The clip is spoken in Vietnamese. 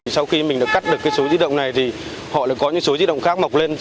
sau khi mình được cắt được cái số di động này thì họ có những số di động khác mọc lên